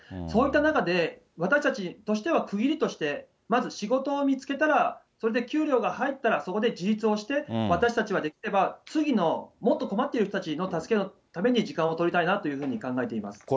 そういった中で、私たちとしては、区切りとして、まず仕事を見つけたら、それで給料が入ったら、そこで自立をして、私たちはできれば次の、もっと困っている人たちの助けるために、時間を取りたいなというふうに考えています。